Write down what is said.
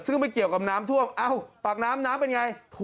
ซึ่งไม่เกี่ยวกับน้ำท่วมอ้าวปากน้ำน้ำเป็นไง